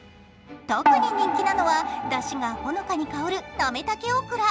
特に人気なのはだしがほのかに香るなめ茸おくら。